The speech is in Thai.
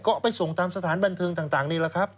ก็ไปส่งตามสถานบันเทิงต่างนี่แหละครับ